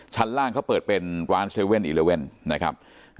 ชั้นล่างเขาเปิดเป็นร้าน๗๑๑นะครับ